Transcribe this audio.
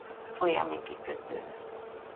Folyami kikötő.